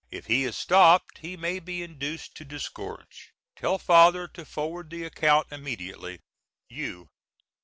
If he is stopped he may be induced to disgorge. Tell father to forward the account immediately. U.